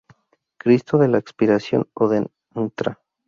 Cristo de la Expiración o de Ntra.